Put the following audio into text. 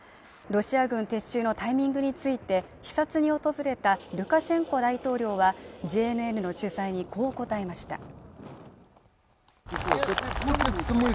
ロシア軍撤収のタイミングについて視察に訪れたルカシェンコ大統領はＪＮＮの取材にこう答えました